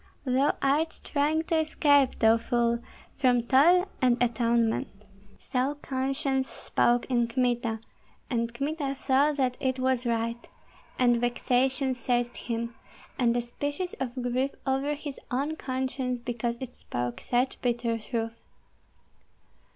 Thou art trying to escape, thou fool, from toil and atonement." So conscience spoke in Kmita; and Kmita saw that it was right, and vexation seized him, and a species of grief over his own conscience because it spoke such bitter truth.